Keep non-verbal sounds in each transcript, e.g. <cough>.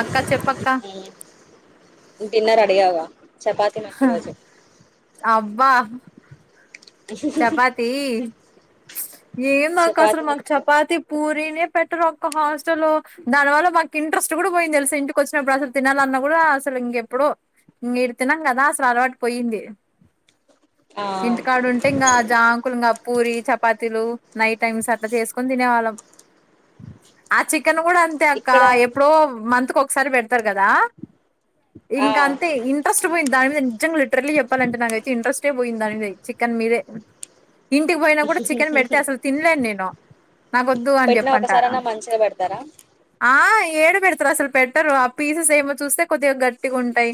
అక్క చెప్పక్క డిన్నర్ అడిగావా చపాతి మాకు హా ఈరోజు అబ్బా చపాతి ఏం నాకు అసలు చపాతి మాకు విత్ చపాతి పూరి ఏం పెట్టరు అక్క హాస్టల్ లో దానివల్ల మాకు ఇంట్రెస్ట్ కూడా పోయింది తెలుస ఇంటికి వచ్చినప్పుడు అసలు తినాలన్న కూడా అసలు ఇంకెప్పుడు ఇ ఇరు తిన్నాం కదా అసలు అలవాటు పోయింది ఆ ఆ జాం కులంగా పూరి చపాతీలు నైట్ టైమ్స్ అట్లా చేసుకుని తినేవాళ్ళం ఆ చికెన్ కూడా అంతే అక్క ఇక్కడ ఎప్పుడో మంత్ ఒక్ సలి బెడ తరు కదా ఆ ఇంకా అంతే ఇంట్రెస్ట్ పోయింది దాని మీద నిజ్జంగా లిట్రల్లి చెప్పాలంటే నాకైతే ఇంట్రెస్టే పోయింది దాని మీద మీరే ఇంటికి పోయినా కూడా చికెన్ పెడితే అసలు తినలేను నేను నాక వద్దు అని పెట్టిన చెప్పంట ఒకసారన్నా మంచిగా పెడతారా ఆ ఏడ పెడతారు అసలు పెట్టరు ఆ పీసెస్ ఏమో చూస్తే కొద్దిగా గట్టిగా గుంటయ్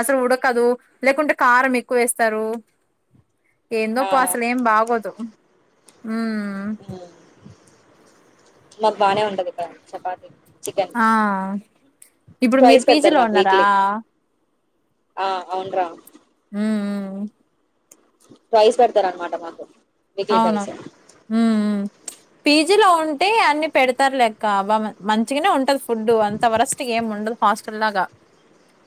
అసలు ఉడక్ కదు లేకుంటే కారం ఎక్కువ ఏస్తరు ఏందో ఆ పో అసలే ఏం బాగోదు హుమ్ మాకు బానే ఉంటది ఇక్కడ చపాతి చికెన్ ఆ ఇప్పుడు మీరు ట్వైస్ పెడతారు పీజీలో మాకు ఉన్నారా వీక్లీ ఆ అవున్రా ఉ ఊ ట్వైస్ పెడతారనమాట మాకు వీక్లీ అవును ట్వైస్ హుమ్ హు పీజిలో ఉంటే అన్ని పెడతారు లేక్క అ మంచిగానే ఉంటది ఫుడ్ అంత వరేస్ట్ ఏం ఉండదు హాస్టల్ లాగా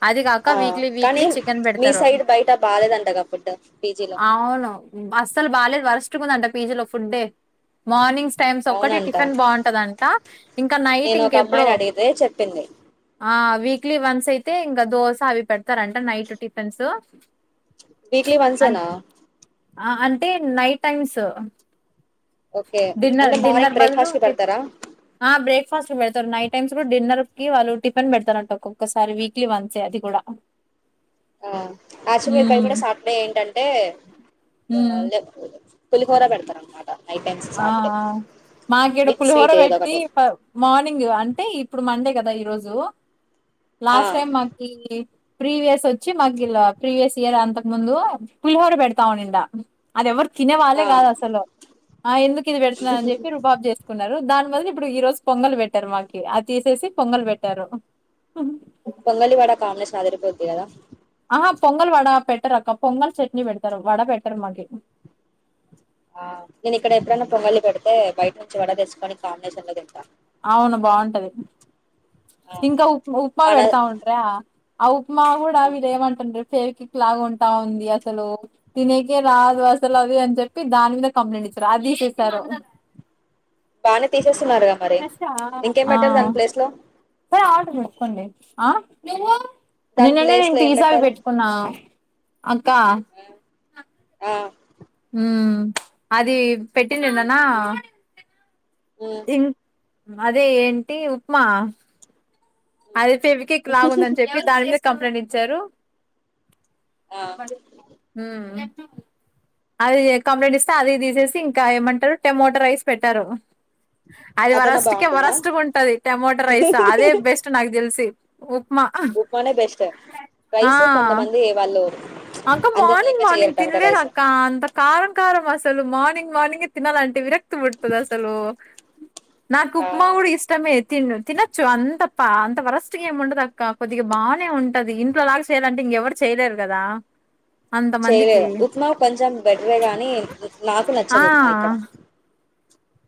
అది కాక ఆ వీక్లీ కానీ వీక్లీ చికెన్ మీ పెడతారు సైడ్ బయట బాలేదంటగా ఫుడ్ పీజీలో అవును బా ఆసలు బాలేదు వరెస్ట్ దంట పీజీ లో ఫుడ్డే మార్నింగ్స్ టైమ్స్ ఒక్కటే అవునంట టిఫిన్ బావుంటది అంట ఇంకా నైట్ నేను ఒక ఇంకా ఎప్పుడో అమ్మాయిని అడిగితే చెప్పింది ఆ వీక్లీ వన్స్ అయితే ఇంకా దోస అవి పెడతారంట నైట్ టిఫిన్స్ వీక్లీ అన్ వన్సేనా ఆ అంటే నైట్ టైమ్స్ ఓకే డిన్నర్ అంటే మార్నింగ్ డిన్నర్ బదులు బ్రేక్ఫాస్ట్ కి పెడతారా ఆ బ్రేక్ఫాస్ట్ పెడతరు నైట్ టైమ్స్ లొ డిన్నర్ కి వాళ్ళు టిఫిన్ పెడతారంట ఒక్కొక్కసారి వీక్లీ వన్సే అది కూడా ఆక్టుఅలీ ఇక్కడ హ్మ్. గూడ సాటర్డే ఏంటంటే అంటే హ్మ్. పులిహోరా పెడతారు అన్మాట ఆ ఆ మాకు ఈడ విత్ పులిహోర స్వీట్ ఏదో పెట్టి ఒకటి మార్నింగ్ అంటే ఇప్పుడు మండే కదా ఈరోజు ఆ లాస్ట్ టైమ్ మాకి ప్రీవియస్ వచ్చి మాకు ప్రీవియస్ ఇయర్ అంతకు ముందు పులిహోర పెడతా ఉనిండా అది ఎవరు తినే ఆ వాళ్ళే కాదు అసలు ఎందుకు ఇది పెడుతున్నారూ అని చెప్పి రుబాబ్ చేసుకున్నారు దాని బదులు ఇప్పుడు ఈ రోజు పొంగల్ పెట్టారు మా అది తీసేసి పొంగల్ పెట్టారు పొంగళివాడ కాంబినేషన్ అదిరిపోది కదా పొంగల్ వడా పెట్టర్ అకా పొంగల్ చట్నీ పెట్టారు వడా పెట్టర్ మా ఆ నేను ఇక్కడ ఎప్పుడైన్నా పొంగలి పెడితే బయట నుంచి వడ తెేసుకని కాంబినేన్ అవును బాగుంటది ఆ ఇంకా ఉప్ ఉప్మా మన పెడతా ఉంటరా అవు మా కూడా ఉమ్, వెళ్లేమంటారు అంటండీ ఫ్యావికిక్ లాగా ఉంటా ఉంది అసలు తినేకే రాదు అసలు అది అని చెప్పి దాని మీద కంప్లైంట్ ఇచ్చారు అది తీసేసారు బని తీ చేస్తున్నారుగా మరి ఇంకేం ఆ పెట్టారు దాని ప్లేస్ లో ఆ <unintelligible> దాని నిన్నన్నే ప్లేస్ నేను లో ఏం పిజ్జాలు పెట్టారు పెట్టుకున్నా అక్క ఆ హ్మ్ అది పెట్టింది. ఏందనా ఉమ్, ఇం అదే ఏంటి ఉప్మా ఉమ్. అది ఫెవికిక్ లాగా ఉందని చెప్పి దాని కంప్లైంట్ ఇచ్చారు. ఆ హ్మ్ అది కంప్లైంట్ ఇస్తే అది తీసేసి ఇంకా ఏమంటారు. టమోటో రైస్ పెట్టారు. అది అదన్నా వరస్టుకే బాగుంటుందా వరస్ట్గా ఉంటది. టమోటో రైస్ అదే బెస్ట్ తెలిసి ఉప్మా ఉప్మా నే బెస్ట రైస్ కొంతమంది ఏ వాళ్ళు అక్కా అంత మార్నింగ్ నీట్గా చెయ్యరు మార్నింగ్ టమాటా తినలేరు రైస్ అక్కా అంత కారం కారం వస్ అసలు మార్నింగ్ మార్నింగే తినాలంటే విరక్తి పుడుతాది అసలు. నాకు ఆ ఉప్మా కూడా ఇష్టమే. తినొచ్చు. అంత వరెస్ట్ గా ఏమి ఉండదు అక్కా. కొద్దిగా బాగానే ఉంటది ఇంట్లోలాగ చేయాలంటే ఇంకెవరు చేయలేరు కదా. అంత మందికి చేయలేదు ఉప్మా కొంచెం బెటరే గాని నాకు ఆ నచ్చదు ఉప్మా ఇక్కడ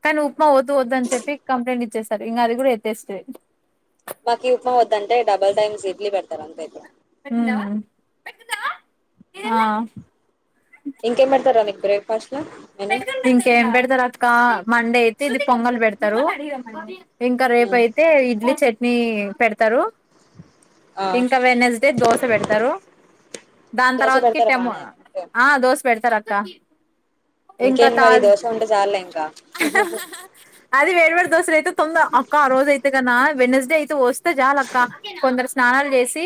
కానీ ఉప్మా వద్దు వద్దు అని చెప్పి కంప్లైంట్ ఇచ్చేస్తారు. ఇంకా అది కూడా ఎత్తేసిరి. మాకీ ఉప్మా వద్దంటే డబల్ టైమ్స్ ఇడ్లీ పెడతారు అంతే. పెట్టనా పెట్టనా ఆ ఇంకేం పెడతారు రా నీ బ్రేక్ఫాస్ట్. లో మెను ఇంకెం బెడతరక్క మండేత్ తిది పొంగల్ పెడతరు ఇంకా రేపయితే ఇడ్లీ చెట్ నీ పెడతరు ఆ ఇంకా వెన్నస్డే దోశ పెడతారు దాని దోశ తర్వాతకి పెడతారా టెమో బానే ఓకే ఆ దోశ పెడతారు అక్ ల ఇంకా ఇంకేంటి మరి తాజ్ దోశ ఉంటే చాలులే ఇంకా అది వేరు వేరు దోసలైతే కొందరు అక్కా, ఆ రోజు అయితే కదా వెడ్నెస్డే అయితే వస్తే చాలు అక్కా కొందరు స్నానాలు చేసి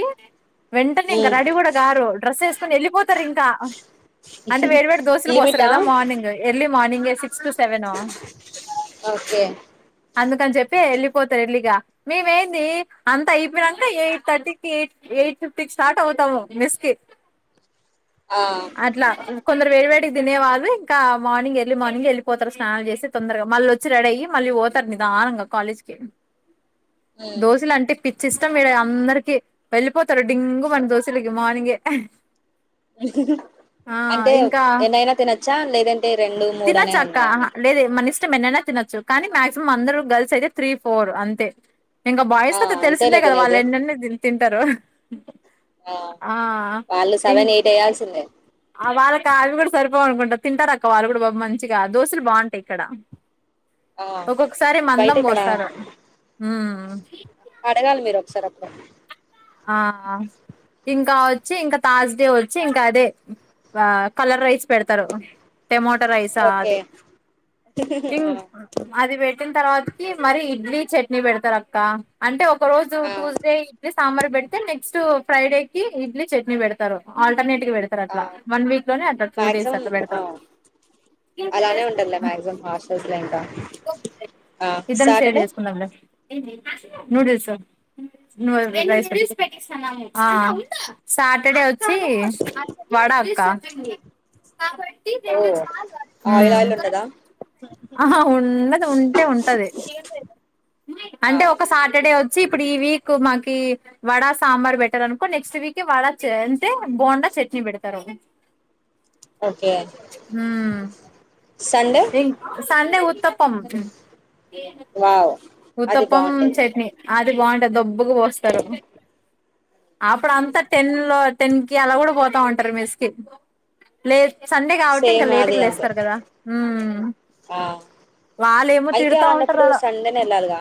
వెంటనే ఇంక రెడీ మ్మ్ కూడా గారు డ్రెస్సెవేసుకొని వెళ్ళిపోతారు ఇంకా అంటే వేడి వేడి దోశలు లిమిట్ పోస్తారు ఆ కదా మార్నింగ్ ఎర్లీ మార్నింగె సిక్ సిక్సో, సెవెనో ఓకే అందుకని చెప్పి వెళ్ళిపోతారు ఎళ్లిగా మేము ఏంది అంతా అయిపోనంతే ఎయిట్ థర్టీకి ఎయిట్ ఎయిట్ ఫిఫ్టీ కి స్టార్ట్ అవుతాము మిస్ కి ఆ అట్లా కొందరు వేరు వే తినేవాళ్ళు ఇంకా మార్నింగ్ ఎర్లీ మార్నింగ్ వెళ్ళిపోతారు స్నానాలు చేసి తొందరగా మళ్ళ వచ్చ రెడ అయ్యి మళ్ళీ పోతారు నిదానంగా కాలేజ్ క మ్మ్ దోశలు అంటే పిచ్చి ఇష్టం మీరు అందరి ప పోతారు డింగ మన దోసీలకి మానింగ అంటే ఎన్నైనా తినచ్చా తినచ్చాక్క లేద మన ఇష్టం ఎన్నన్న తినొచ్చు కానీ మాక్సిమం అందరు గర్ల్స్ అయితే త్రీ ఫోర్ అంతే ఇంకా ఆ బాయ్స్ కథ తెలిసిందే అంతేలే కదా వాళ్ళ తినేది ఎన్ని అయిన తింటారు ఆ వాళ్ళు ఇం సెవెన్ ఎయిట్ వేయాల్సిందే ఆ వాళ్ళకి అవి కూడా సరిపోవనుకుంటారు తింటారు అక్క వాళ్ళు కూడా పాపం మంచిగా దోశలు బాగుంటాయి ఇక్కడ ఆ ఒక్కొక్కసారి బయట మందం ఇక్కడ పోస్తారు హ ఆ అడగాలి మీరు ఒకసారి అప్పుడు ఆ ఇంకా వచ్చ వచ్చి ఇంకా తాజ్ డే వచ్చి ఇంకా అదే కలర్ రైస్ పెడతారు టెమోటో రైసా ఓకే అది థింగ్ అది వే పెట్టిన తర్వాత కి మరీ ఇడ్లీ చట్నీ పెడుతరు అక్క అంటే ఒ ఒక రోజు ఆ టూస్డే ఇడ్లీస్ సాంబార్ పెడితే నెక్స్ట్ ఫ్రైడే కి ఇడ్లీ చట్నీ పెడతారు ఆల్ టర్నేట్ గా పెడతారు ఆ అట్లా వన్ విక్ లోనే అట్ల టూ డేస్ మాక్సిమం అట్లా ఆ పెడ్తారు అలానే ఉంటదిలే మాక్సిమం హాస్టల్స్ లో ఇంకా ఆ ఇద్దరం షేర్ సాటర్డే చేసుకుందాం లే నూడిల్స్ నువేళ్ళు ఆ సాటర్డే వచ్చి వడా కా ఓ హు ఆయిల్ ఆయిల్ ఉండదా ఆహా ఉండదు ఉంటే ఉంటది ఆ అంటే ఒక సాటర్డే వచ్చి ఇప్పుడు ఈ వీక్ మాకి వడ సాంబార్ పెట్టారనుకో నెక్స్ట్ వీక్ వడ అంటే బోండా చట్నీ పెడతారు ఓకే హు సండే రిన్ సండే ఉ తప్పం వావ్ అది ఉత్తప్పం బాగుంటది చట్నీ అది బాగుంటది దబ్ బ్బుకు పోస్తారు అప్పుడు అంతా టెన్ లో టెన్ కి అలా కూడా పోతా ఉంటారు మేస్కి లేటు సండే కాబట్టి ఇంకా సేమ్ అది లేటుగా అంతే లేస్తారు కదా హు ఆ వాల్లేమో తిడతా ఉంటరు ఆడ కలుగ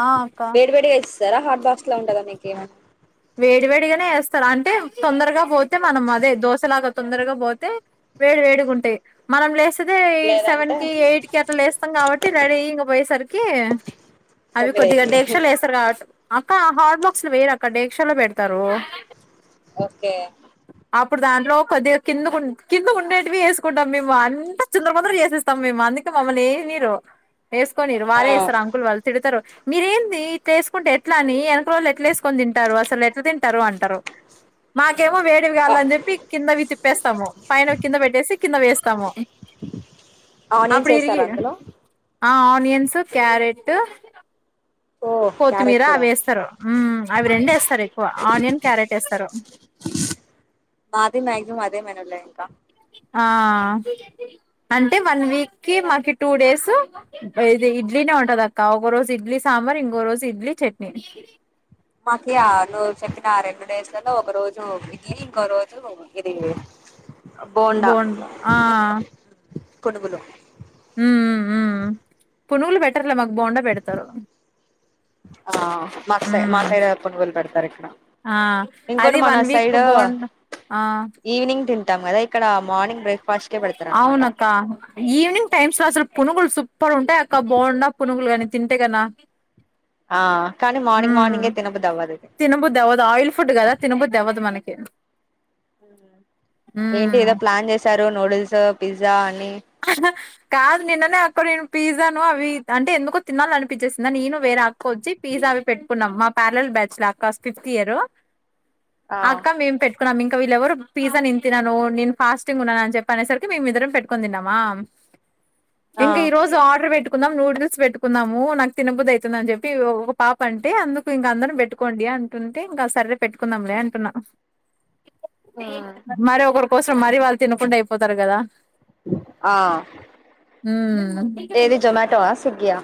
ఆ అక్క వేడి వేడిగా ఇస్ జరా హాట్ బాక్స్ ల ఉంటదా మీకేమైనా వేడి వేడిగానే ఎస్తారు అంటే తొందరగా పోతే మనం అదే దోశలాగా తొందరగా పోతే వేడి వేడిగా ఉంటాయి మనం లేస్ తుకే ఎయిట్ సెవెన్ లేదంటే కి ఎయిట్ కి అట్ల లేస్తాం కాబట్టి రెడీ ఇంగ పోయేసరి కే అవి తొమ్మిది కొద్దిగ అయితయి డేక్షాలో ఎస్తారు కావట్టు అక్క ఆ హార్డ్ బాక్స్ లో వేయరక్క డే క్షలో పెడతారు ఓకే ఇప్పుడు దాంట్లో కొద్దిగా కింద కుం కింద ఉండేటివి వేసుకుంటాం మేము అంత చిందర బందర చేసేస్తాం మేము అందుకే మమ్మల్ని ఎయనీరు వేసుకొనిరు ఆ వాళ్లే వేస్తారు అంకుల్ వాళ్ళు తిడతారు మీరేంటి ఇట్లేసుకుంటే ఎట్లా అని వెనక నోళ్లు ఎట్లా ఎసుకోని తిం టారు అసలు ఎట్లా తింటారు అంటారు మా కేమో వేడివి ఆ కావాలని చెప్పి కిందవి తిప్ తిప్పేస్తాము పైన కింద పెట్టేసి కింద వేస్తాము. ఆనియన్స్ అప్పుడు ఇరిగి వేస్తారా అందులో. ఆ ఆనియన్స్, క్యారెట్. ఓ క్యారెట్ కొత్తిమీర కూడా అవి వేస్తారు. హ్మ్! అవి రెండు వేస్తారు ఎక్కువ ఆనియన్ క్యారెట్ ఏస్తారో. మాది మాక్సిమం అదే మేడమ్ లే ఇంకా. ఆ అంటే వన్ వీక్కిి మాకి టూ డేస్ ఇది ఇడ్లీనే ఉంటాది. అక్క ఒక రోజు ఇడ్లీ సాంబార్ ఇంకో రోజు ఇడ్లీ చట్నీ. మాకి ఆ నువ్వు చెప్పిన ఆ రెండు డేస్లలో ఒక రోజు ఇడ్లీ ఇంకో రోజు ఇది. బోండా ఆ! పునుగులు. ఉ హ్మ్ ఊ పునుగులు పెట్టర్లే మాకు. బోండా పెడతారు <inaudible> ఆ మాకు సై మా మ్మ్ సైడ్ పురుగులు పెడతారు ఇక్కడ ఆ ఇంకోటి అది మన one week side bonda evening తింట. తింటాం కదా. ఇక్కడ మార్నింగ్ బ్రేక్ఫాస్ట్ కే పెడతారు అవును అనమాట అక్క ఈవినింగ్ టైమ్స్ లో అసలు పునుగులు సూపర్ ఉంటాయి అక్కా బోండా పునుగులు కాని. తింటేగనా. ఆ కానీ మార్నింగ్ మార్నింగే తినబుద్ధి అవ్వదు. ఇది తినబుద్ధి అవ్వదు, ఆయిల్ ఫుడ్ కదా తినబుద్ధి అవ్వదు మనకి. <inaudible> ఏంటి మ్మ్ ఏదో ప్లాన్ చేసారు నూడిల్స్. పిజ్జా అని కాదు నిన్ననే, అక్కా నేను పిజ్జాను అవి అంటే ఎందుకో తినాల అనిపించేసిందా నేను వేరే అక్కా వచ్చి పిజ్జా అవి పెట్టుకున్నాం మా ప్యారల్ బ్యాచ్ల అక్క ఫిఫ్త్ ఇయర్. ఆ అక్కా! మేము పెట్టుకున్నాం ఇంకా. వీళ్ళ ఎవరు పిజ్జా నేను తినను ఫాస్టింగ్ ఉన్నాను అని చెప్పేసరికి మేమిద్దరం పెట్టు కకందినవా <unintelligible> ఆ ఇంక ఈ రోజు ఆర్డర్ పెట్టు పెట్టుకున్నామ్ నూడిల్స్ పెట్టుకున్నాము. నాకు తిన బుద్ధివుతుంది అవుతుంది అని చెప్పి ఒక పాప అంటే అందుకు ఇంక అందరం పెట్టుకోండి అంటుంటే ఇంకా సరే పెట్టుకుందంలే అంటున్నా. ఉమ్ మరి ఒకరు కోసరం, మరీ వాళ్లు తినకుండా అయిపోతారు కదా! ఆ ఉమ్ ఏది జోమేటో ఆ సిగయా?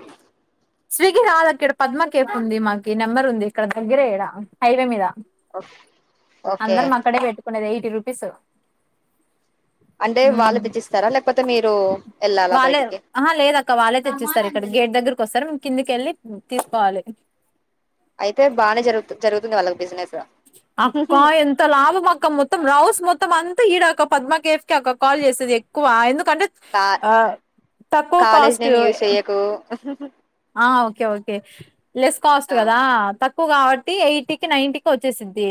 స్విగి రాదక్క ఇక్కడ పద్మ కేఫ్ ఉంది. మాకి నెంబర్ ఉంది ఇక్కడ దగ్గర ఇక్కడ హైవే మీద. ఓకే అందరం అక్కడే పెట్టుకునేది ఎయిటీ రూ. పస <unintelligible> అంటే వాళ్ళు తెచ్చిస్తారా లేకపోతే మీరు. వెళ్ళాలా వాళ్ళే బయటికి ఆ లేదక్క వాళ్ళే తెచ్చిస్తారు ఇక్కడ గేట్ దగ్గర. సారి కిందికెళ్ళి తీసుకోవాలి. అయితే బాగానే జరుగు జరుగుతుంది వాళ్ళ బిజినెస్ అక్క ఎంత లాభం అక్క మొత్తం రాౌస్ మొత్ త్తం అంతా ఈడ అక్క పద్మ కేఫ్ కి అక్క కాల్ చేసేది ఎక్కువ ఎందుకు కంట కా తక్కువ కాలేజ్ కాస్ట్ నేమ్ యూజ్ చెయ్యకు ఆ ఓకే ఓకే లెస్ కాస్ట్ ఆ కదా త క్కువ కాబట్టి ఎయిటీ కి నైన్టీకి వచ్చేసిది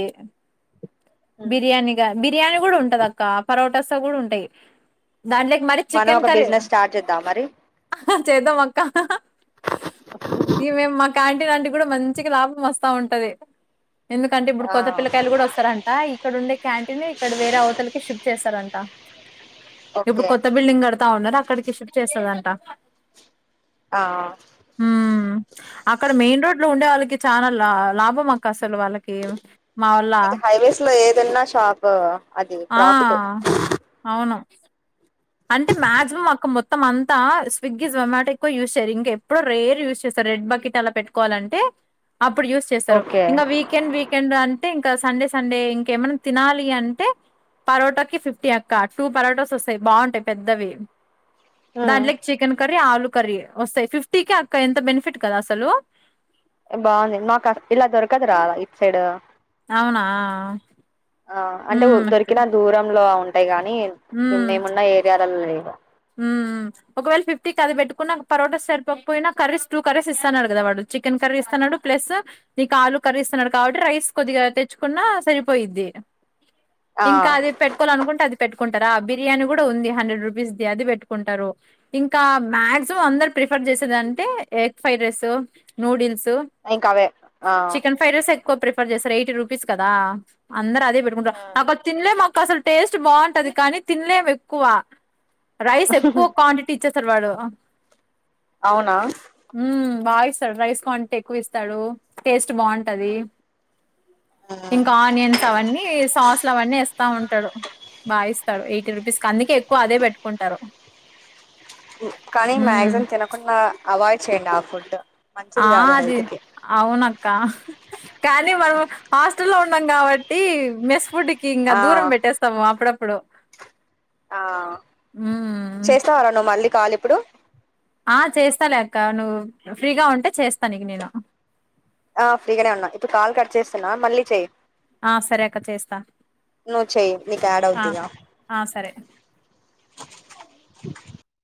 బిర్యానీగా బిర్యానీ కూడా ఉంటదక్క పరో టాస్ కూడా ఉంటాయి దాంట్లోకి మరి మనం ఒక బిజినెస్ స్టార్ట్ చేద్దాం మరి చేద్దాంమక్క ఈమే మకాని ఇలాంటి కూడా మంచికి లాభం వస్తా ఉంటది ఎందుకంటే ఇప్పుడు ఆ కొత్త పిల్లకాయలు కూడా వస్తారాన్ ఆ ఇక్కడ ఉండే క్యాంటీన్ ఇక్కడ వేరే అవతలకి షిఫ్ట్ చేస్తారంట ఇప్పుడు ఓకే కొత్త బిల్డింగ్ కడతా ఉన్నారు అ అక్కడికి షిప్ట్ చేస్తదంట ఆ ఉమ్ అక్కడ మెయిన్ రోడ్ లో ఉండే వాళ్ళకి చాలా లా లాభం అక్క అసలు వాళ్ళకి మా వల్ల నీకు హైవేస్ లో ఏదన్నా షాప్ అది ఆ ప్రాఫిట్ ఎ అవును అంటే మాక్సిమం అక్క మొ మొత్తం అంతా స్విగ్గీ జొమ్యాటో ఎక్కువ యూస్ చేయారు ఇంకా ఎప్పుడో రేర్ యూజ్ చేస్తారు రెడ్ బకెట్ అలా పెట్టుకోవాలంటే అప్పుడు యూస్ చేస్తారు ఓకే ఇంకా వీకెండ్ వీకెండ్ అ అంటే ఇంకా సండే సండే ఇంకేమైనా తినాలి అంటే పరోటా కి ఫిఫ్టీ అక్క టూ పరోటాస్ వస్తాయి బావుంటా యి పెద్దవి దాంట్లోకి చికెన్ కర్రీ ఆలు కర్రి వస్తాయి ఫిఫ్టీ కె అక్క ఎంత బెనిఫిట్ కదా అసలు బాగుంది మాకా ఇలా దొరకదరా ఇటు సైడ్ అవునా ఆ అంటే ఉమ్ దొరికిన దూరంలో ఉంటయి గా మేం ఇప్పుడు ఉమ్ మేమున్నా ఏరియా. తన్లేగ. ఉమ్ ఒకవేళ ఫిఫ్టీకి అది పెట్టుకున్న పరోటా సరిపోకపోయినా కర్రీస్ టూ కర్రీస్ ఇస్తున్నాడు కదా వాడు చికెన్ కర్రీ ఇస్తున్నాడు. ప్లస్ నీకు ఆలూ కర్రీ ఇస్తున్నాడు. కాబట్టి రైస్ కొద్దిగా తెచ్చుకున్నా సరిపోయిద్ది. ఆ ఇంకా అది పెట్టుకోవాలి అనుకుంటే అది పెట్టు. కోంటారా బిర్యానీ కూడా ఉంది హండ్రెడ్ రూపీస్. అది పెట్టుకుంటారు ఇంకా మాక్సిమం అందరు ప్రిఫర్ చేసేది అంటే ఎగ్ ఫ్రైడ్ రైస్ నూడిల్స్. ఇంకా అవే ఆహ్. చికెన్ ఫ్రైడ్ రైస్ ఎక్కువ ప్రిఫర్ చేస్తారు. ఎయిటీ రూపీస్ కదా. అందరు అదే పెట్టుకుంటారు ఆ అక్క తినలేం అక్క అసలు. టేస్ట్ బాగుంటది కానీ తినలేం ఎక్కువ. రైస్ ఎక్కువ క్వాంటిటీ ఇచ్చేస్. సర్వర్. అవునా. బాగా ఇస్తాడు రైస్ కౌంట్ ఎక్కువ ఇస్తాడు టేస్ట్. రుచి బాగుంటది ఇంకా అనియన్స్ అవన్ని సాస్ అవన్ని ఎస్. ఇస్తా ఉంటాడు బాగా ఇస్తాడు ఎయిటీ రూపీస్కి అందుకే ఎక్కువ అదే పెట్టు. కుంటారు. కానీ మాక్సిమం తినకుండా అవాయిడ్. చెయండి ఆ ఫుడ్. మంచిది ఆహ్ కాదు అది హెల్త్ కి అవును అక్క కానీ మనం. హాస్టల్లో లో ఉన్నాం కాబట్టీ మెస్ ఫుడ్. ఇంకా ఆ దూరం పెట్టేస్తాము అప్పుడప్పుడు. ఆహ్ మ్మ్ చేస్తావా రా నువ్వు మళ్ళీ. కాల్ ఇప్పుడు. ఆహ్ చేస్తాలే అక్క నువ్వు ఫ్రీగా ఉంటే చేస్తా నీకు నేను. ఆహ్ ఫ్రీగానే ఉన్నా ఇప్పుడు కాలు కట్ చేస్తున్నా మళ్ళీ చెయ్యి. ఆహ్ సరే అక్క చేస్తా. నువ్వు చెయ్యి నీకు యాడ్ అవుద్ది ఆహ్ ఇగ ఆహ్ సరే.